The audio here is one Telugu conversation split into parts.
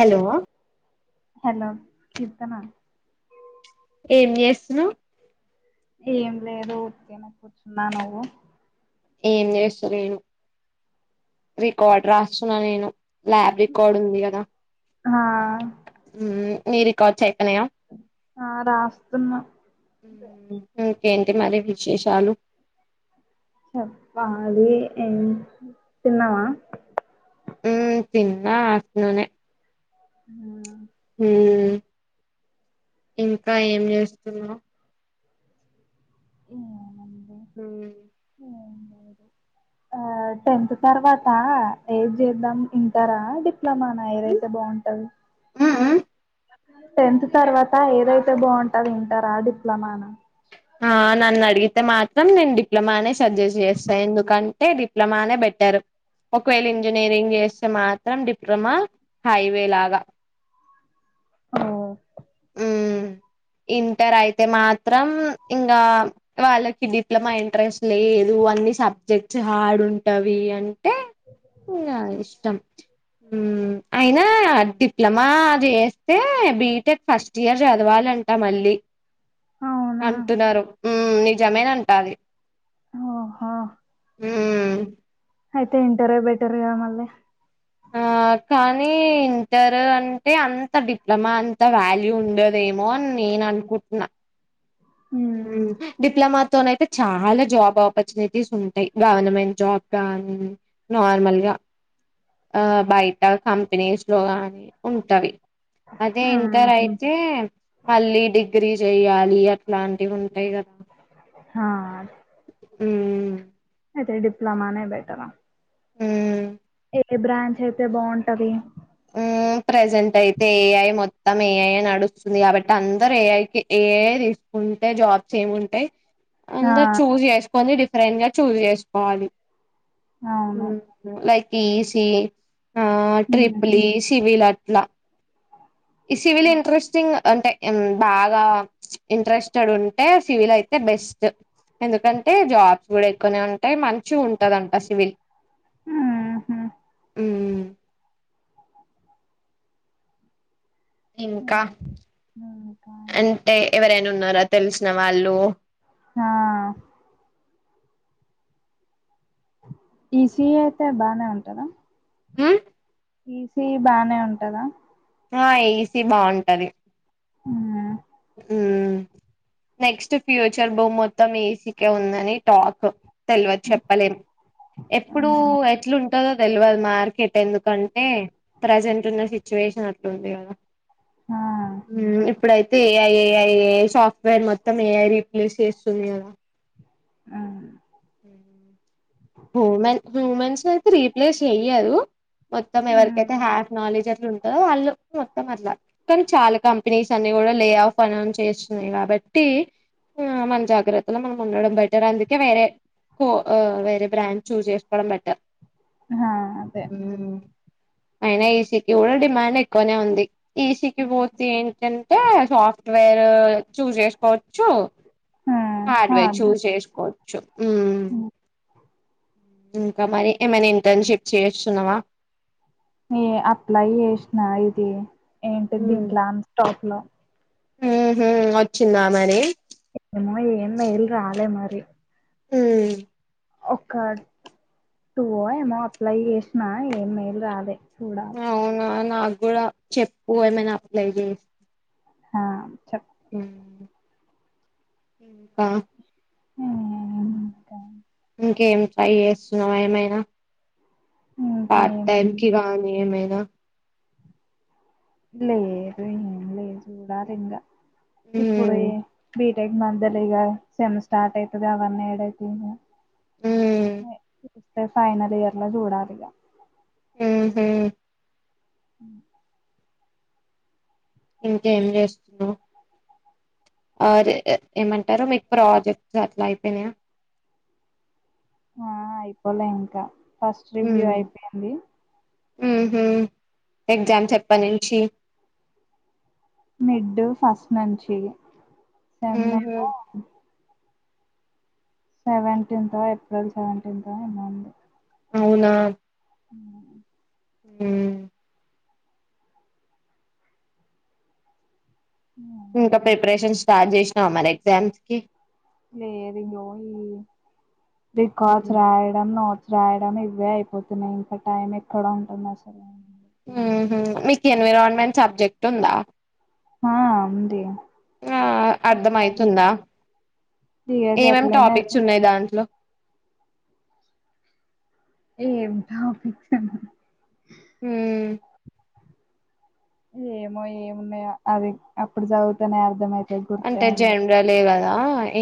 హలో హలో కీర్తన ఏం చేస్తున్నావ్ ఏం లేదు ఊరకనే కూర్చున్నా నువ్వు ఏం చేస్తాలేను రికార్డ్ రాస్తున్నా నేను ల్యాబ్ రికార్డ్ ఉంది కదా ఆ ఊ నీ రికార్డ్స్ అయిపోనాయా ఆ రాస్తున్నా ఉ ఇంకేంటి మరి విశేషాలు చేప్పాలి ఎం తిన్నవా ఉ తిన్న అట్లనే హు హు ఇంకా ఏం చేస్తున్నావ్ [inaudible] హు ఏం టెన్త్ తర్వాత ఎయిత్ చేద్దాం ఇంటరా ఇట్లానా నా ఏదైతే బాగుంటది టెన్త్ తర్వాత ఏదైతే బాగుంటది ఇంటర్ ఆ డిప్లొమా నా ఆ నన్ను అడిగితే మాత్రం నేను డిప్లొమానే సజెస్ట్ చేస్తా ఎందుకంటే డిప్లొమానే బెటర్ ఒకవేళ ఇంజనీరింగ్ చేస్తే మాత్రం డిప్లొమా హైవే లాగా ఆ ఉమ్ ఇంటర్ అయితే మాత్రం ఇంకా వాళ్ళకి డిప్లొమా ఇంట్రెస్ట్ లేదు అన్ని సబ్జెక్ట్స్ హార్డ్ ఉంటావి అంటే ఇంగ ఇష్టం హు అయినా డిప్లొమా చేస్తే బీటెక్ ఫస్ట్ ఇయర్ చదవాలం అంట మళ్ళీ అవునా అంటున్నారు హు నిజమేనంట ఆది ఓహో హు అయితే ఇంటరే బెటర్ గా మళ్ళీ ఆ కానీ ఇంటర్ అంటే అంత డిప్లొమా అంత వాల్యూ ఉండదేమో అని నేను అనుకుంటున్నా ఉమ్ డిప్లొమా తోనైతే చాలా జాబ్ అవ్వ ఉంటాయి గవర్నమెంట్ జాబ్ కాగానీ నార్మల్ గా ఆ బయట కంపెనీస్ లో గాని ఉంటవి అదే ఇంటర్ అయితే ఆహా మళ్ళీ డిగ్రీ చెయాలి అట్లాంటివి ఉంటాయి కదా ఆ ఉ అయితే డిప్లమానే బెటర్ హ ఏ బ్రాంచ్ అయితే బాగుంటది ఆ ప్రజెంట్ అయితే ఏఐ మొత్తం ఏఐ అ నడుస్తుంది కాబట్టి అందరు ఏఐకి ఏది ఉంటాయి జాబ్స్ ఏమి ఉంటాయి ఆ అందరు చూజ్ చేసుకోని డిఫరెంట్ గా చూజ్ చేసుకోవాలి అవును లైక్ ఈసి ఆ హ్మ్ ట్రిపలీ సిివిలా ట్లా ఈ సివిల్ ఇంట్రెస్టింగ్ అంటే బాగా ఇంట్రెస్టెడ్ ఉంటే సివిల్ అయితే బెస్ట్ ఎందుకంటే జాబ్స్ కూడా ఎక్కువనే ఉంటాయి మంచి ఉంటదంట సివిల్ ఆ అ ఇంకా ఇంకా అంటే ఎవరైనా ఉన్నారా తెలిసిన వాళ్ళు హా ఈ ఈసీఈఅయితే బానే ఉంటదా అ ఈసీ బానే ఉంటదా ఆ ఈస్ ఈబాగుంటది ఉ నెక్స్ట్ ఫ్యూచర్ భూమ్మి మొత్తం ఏసీకే ఉందని టాక్ తెలియవదు చెప్పలేం ఎప్పుడు హ్మ్. ఎట్లుంటందో తెలియదు మార్కెట్ ఎందుకంటే ప్రజెంట్ ఉన్న సిచ్యువేషన్ అట్లుంది కదా ఆ ఇప్పుడయితే అయితే ఏఐ ఏఐ ఏఐ సాఫ్ట్వేర్ మొత్తం ఏఐ రీప్లేస్ చేస్తుంది కదా అ హూమెన్ హూమెన్స్ అయితే రీప్లేస్ అయ్యారు మొత్తం హ్మ్ ఎవరికైతే హ్యాఫ్ నాలెడ్జ్ అట్లు ఉంటుందో వాళ్ళు మొత్తం అట్లా కానీ చాలా కంపెనీస్ అనే కూడా లే ఆఫ్ అన్న్ చేస్తున్నాయి కాబట్టి ఆ మన జాగ్రత్తలో మనం ఉండడం బయటర్ అందుకే వేరే కో వే బ్రాండ్ చూజ చేసుకోవడం బెటర్ హా అదే అయినా ఈ సిటీ కూడా డిమాండ్ ఎక్కువనే ఉంది ఈసీకి హ్మ్. పోతే ఏంటంటే సాఫ్ట్వేర్ చూజ్ చేసుకోవచ్చు ఆ హార్డ్వేర్ అదే చేసుకోవచ్చు ఉమ్ హ్మ్. ఇంకా మరి ఏమైనా ఇంటర్న్షిప్ చేస్తున్నావా న అప్లై చేసినా ఇది ఏంటి ఉమ్ దీంట్లో అన్ స్టాక్ లో వచ్చిందా మని మోయి ఎన్న ఇల్ ఆదే మారి అ ఒక టూ ఏమో అప్లై చేసినా ఏం మెయిల్ రదే చూడాలి నాగ్గుడా చెప్పు ఏమైనా అప్లై జేస్ హా చెప్ హ్మ్ ఇంక హ్మ్ ఇంకా ఇంకేం ట్రై జేస్తున్నవా ఏమైనా పార్ట్ టైమ్ ఇంకేముంది కి రానీ ఏమైనా లేదు ఏం లేద్ జూడాలింగా ఇప్పుడు ఉమ్ ఈ బి టె మద్యలిగా సెమ్ స్టార్ట్ అయితది అవన్నేడైతయ్ ఇగా ఉమ్ [unintelligible] వస్తే ఫైనల్ ఇయర్ ల చూడాలిగా ఉమ్ హు హ్మ్ ఇంకేం జేస్తున్నవ్ అరే ఏ ఏమంటారు మీకు ప్రాజెక్ట్స్ అట్ల అయిపోయినయా? ఆ అయిపోలే ఇంకా ఫస్ట్ రివ్యూ అయిపోయింది ఉమ్ హ్ ఎగ్జామ్స్ ఎప్పట్నుంచి మిడ్డు ఫస్ట్ నుంచి సెమ్ ఉమ్ హ్ ఏమో సెవెంటీన్తో ఏప్రిల్ సెవెంటీన్తో ఏమో ఉంది అవునా ఉమ్ ఇంక ఉంది ప్రిపరేషన్ స్టార్ట్ చేసినవా మరెఎగ్జామ్స్ కి లేదు ఇంగో ఈ రికార్డ్స్ ఉమ్ రాయడం రాయడం ఇవ్వే అయిపోతున్నయి ఇంక టైం ఎక్కడా ఉంటుందసలు ఉమ్ హ్ మీకు ఎన్విరాన్మెట్ సబ్జెక్ట్ ఉందా హా ఉంది ఆ అర్థమయితుందా ది ఏది ఏమేం అట్లనే టాపిక్స్ ఉన్నాయి దాంట్లో ఏంటా పిచ్చితనం ఉమ్ ఏమో ఏమున్నయో అది అప్పుడు చదువుతనే అర్ధమయితది గుర్తే ఉండ దా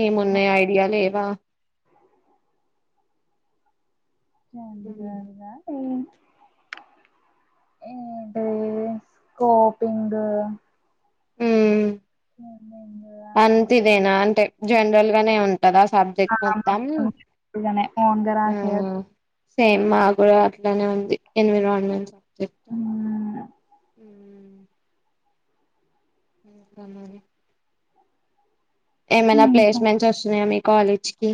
ఏమున్నయి ఐడియా లేవా? జనరల్గా ఏం ఏంటీ స్కోపింగ్ స్కిమ్మింగ్ అలాంటి అంతిదేనా అంటే జనరల్ గనే ఉంటదా సబ్జెక్ట్ మొత్తం న్ గనే ఓన్గ ఆ రాసేయో సేమ్ మాగ్గుడ అట్లనే ఉంది ఎన్విరాన్మెంట్ సబ్జెక్ట్ ఇంక మరి ఏమైనా ఇంకా ప్లేస్మెంట్స్ ఒస్తున్నయా మీ కాలేజ్ కి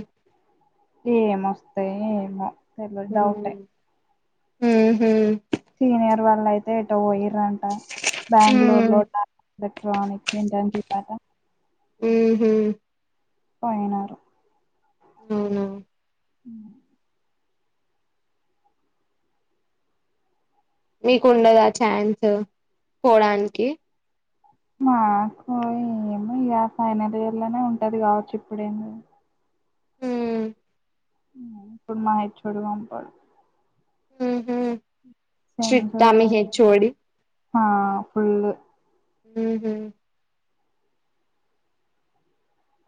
ఏం ఒస్తయో ఏమో తెల్వదు డౌటే ఉమ్ హ్ సీనియర్ వాళ్ళయితే ఎటో పోయిర్రంట ఉహు బెంగళూరు లో ఎలెక్ట్రనిక్ ఇంటర్న్షిప్ అట ఉమ్ హు పోయినారు అవునా హ్మ్ మీకుండదా ఛాన్స్ పోవడానికి మాకు ఏమొ ఇగ ఫైనల్ ఇయర్ లోనే ఉంటది గావచ్చు ఇప్పుడేం లేదు ఉమ్, హ్మ్ మా హెచ్ ఓ డి పంపడు ఉమ్ హ్ స్ట్రిక్ట మీ హెచ్ ఓ డి హా ఫుళ్ళు హ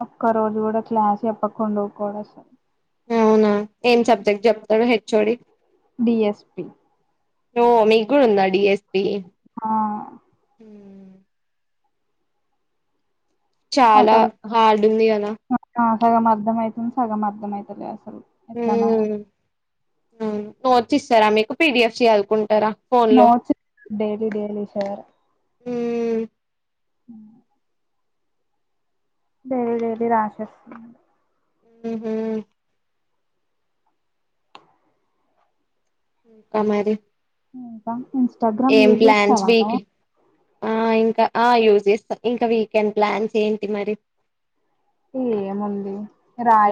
ఒక్క రోజు కూడా క్లాస్ చెప్పకుండా కూడాూడసాల్ అవునా ఏం సబ్జెక్ట్ చెప్తాడు హెచ్ోడి డిఎస్పిి మీగుడు ఉందా డిఎస్పి ఆా ఉ అ చాలా సలు హార్డ్ ఉంది కదా స మర్దమై ఇ సాగం మార్దం అయితేలసలు ఎలానయ ఉమ్ నోట్స్ ఇస్తారా మీకు పీడిఎఫ్ చేయాలకుంట నోట్స్ డైలీ డైలీ షేర్ ఉమ్ హ ేర లేేలి రాక్షస్ ఉ హు అ మరి ఇంస్టాగ్రామ్ ఏం యూజ్ ప్లాన్స్ చేస్తావాను వీక్ ఆ ఇంకా ఆ యూజ్ చేస్తాం ఇంకా వీకెండ్ ప్లాన్స్ ఏంటి మరి ఏముంది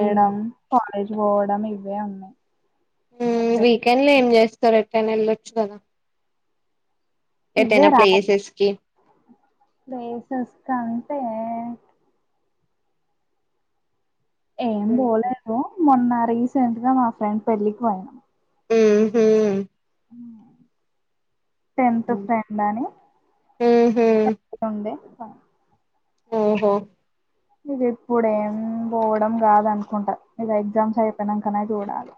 ఉమ్ కాలేజ్ పోవడం ఇవే ఉన్నాయి సపరేట్ వీకెండ్ లో ఏం చేస్తారు ఎ టైన్ వెళ్ళొచ్చు కదా ఎతేనా ప్లేసెస్ కి ప్లేసస్ కంత ఏం పోలేదు మొన్న రీసెంట్ గా మా ఫ్రెండ్ పెళ్ళికి పోయినాం ఉహు టెన్త్ ఫ్రెండ్ అని ఊహూ ఉంది ఆఓహో ఇది ఇప్పుడు ఏం పోవడం కాదు అనుకుంటారు ఇది ఎగ్జామ్స్ అయిపోయినాకనే చూడాలి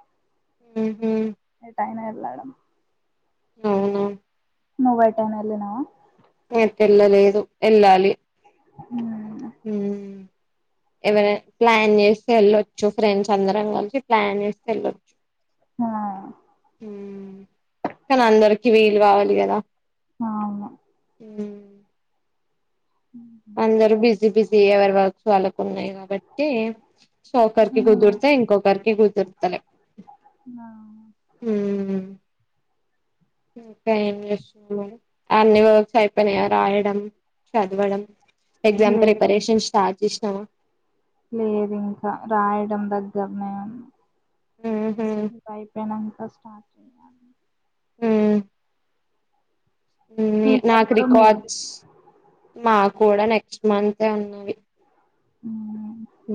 ఊహూ ఏ టైనా ఇలాడమ్ అవునా నోవై టైమ్ అల్ నావ మకలా లేదు ఎలాాలి ఎవరైనా ప్లాన్ చేస్త వెళ్ళొచ్చు ఫ్రెండ్స్ అందరం కలిసి ప్లాన్ చేస్త వెళ్ళొచ్చు ఆా కానీ అందరికి వీలు కావాలి కదా అను ఉ బిజీ ఎవరి వర్క్స్ వాళ్ళకు ఉన్నాయి కాబట్టి సో ఒకరికి హ్మ్. కుదిరితే ఇంకొకరికి కుదురుతలే ఆ! మ్మ్ అన్ని చయిపోయినయ రాయడం చదవడం ఎగ్జామ్ లే ప్రిపరేషన్ స్పాట్ చేశినవా లేదు ఇంకా రాయడం దగ్గరనే ఉహు ఉంది అయిపోయిన ఇంకా స్టార్ట్ చెయ్యాలి ఆ నాకు మీకెప్పుడు మిడ్ రికార్డ్స్ మా కూడా నెక్స్ట్ మంతే ఉన్నది హ్మ్. హ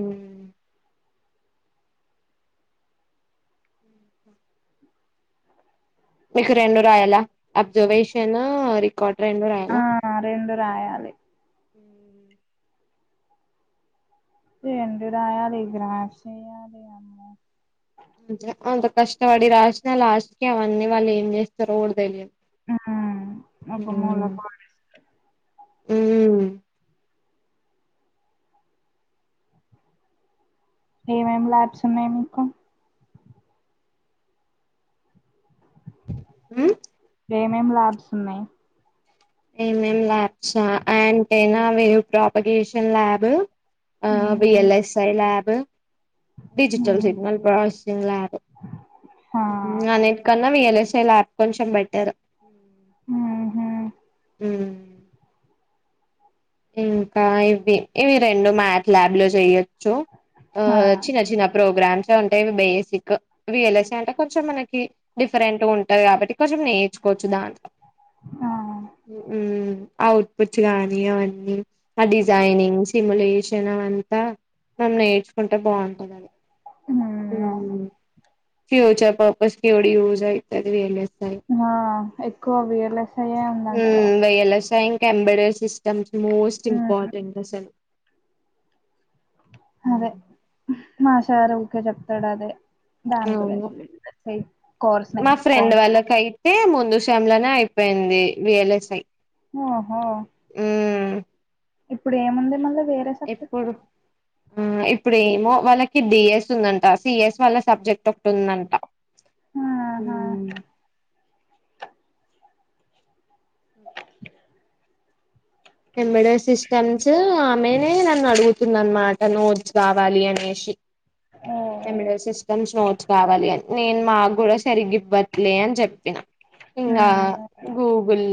మీకు రెండు రాయాల అబ్జర్వేషన్ రికార్డ్ రెండు ఆ రెండు రాయాలి ఉ ఎంటిడయాల ఈ గ్రాప్స్్యాలి అమ్మో అంత కష్టపడి రాసినా లాస్ట్కీ అవన్నీ వాళ్ళు ఏం చేస్తారో కూడా తెలియదు మ్ ఒక మూలకి పడేస్తా హ్మ్ ఏమేమి ల్యాబ్స్ ఉన్నాయి మీకు మ్ ఏమేమి లాబ్స్ ఉన్నయ్ ఏమేం ల్యాబ్సా అంటేనా వేవ్ ప్రాపిగేషన్ ల్యాబ్ ఆ V L S I lab digital signal processing lab హా అనిటికన ఆ V L S I lab కొంచెం బెటర్ ఉ హు హూ ఇంకా ఇవి ఇవి రెండు మ్యాథ్ ల్యాబ్ లో చెయ్యొ చ్చు ఆ హా చిన్న చిన్న ప్రోగ్రామ్స్ మ్సే ఉంటాయ్ అవి basic V L S I అంటే కొంచెం మనకి డిఫరెంట్గా ఉంటది కాబట్టి కొంచెం నేర్చు వచ్చు బానే ఔట్ ఫుట్సు గాని అవన్నీ ఆ డిజైనింగ్ సిమ్యులేషన్ అదంతా మనం నేర్చు కుంటే బాగుంటదది అవును ఫ్యూచర్ పర్పస్కీ కూడా యూస్ అయితది [unintelligible] మా ఎక్కువ V L S hmm V L S I ఇంకా ఎంబ్రాయిడరీ సిస్టమ్స్ మోస్ట్ మ్మ్ ఇంపార్టెంట్ అసలు హ్మ్ అదే మా సారు ఊకే చెప్తాడు అదే దాని అవును గురించి [unintelligible] కోర్స్ నేర్చుకొండి మిషంలోనే అయిపోయింది వి ఎల్ ఎస్ ఐ ఆహా ఇప్పుడు ఏముంది మళ్ళ ఎప్పుడు ఆ ఇప్పుడ ఏమో వాళ్ళకి డిఎస్ ఉందంట సి ఎస్ వాళ్ళ సబ్జెక్ట్ ఒకటి ఉందంట ఆహా ఎంబ్రాయిడరీ సిస్టమ్స్ ఆమెనే నన్ను అడుగు తుందనమాట నోట్స్ కావాలి అనేసి ఓ ఎంబ్రాయిడరీ సిస్టమ్స్ నోట్స్ కావాలి అని నేను మాక్కూడ సరిగివ్వట్లే అని చెప్పినా ఇంకా మ్మ్ గూగుల్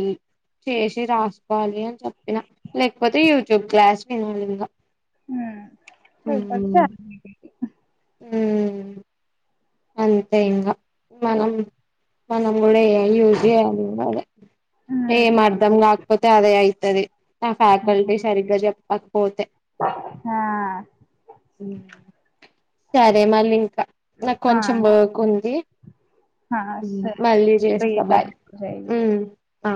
చేసి రాసుకోవాలి అని చెప్పిన లేకపోతే యూట్యూబ్ క్లాస్ వినాలింగ హుమ్ [unintelligible] హ్మ్ అంతే ఇంగ మనం మనం నేను కూడా యూస్ చేయాలి ఇంగ అదే ఏం మ్మ్ అర్ధం కాకపోతే అదే అయితది ఆ ఫ్యాకల్టీ సరిగ్గా చెప్పకపోతే ఆ సరే మరి ఇంక నాకు ఆ కొంచెం వర్క్ ఉంది ఆ సరే మళ్ళీ ఫ్రీ చేస్తా బాయ్ టైమ్ లో చెయ్ ఆ